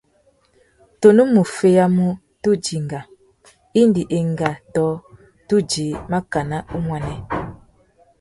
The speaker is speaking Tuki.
Tu nù mú feyamú tu dinga indi enga tô tu djï makana umuênê.